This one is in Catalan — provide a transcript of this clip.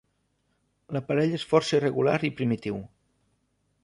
L'aparell és força irregular i primitiu.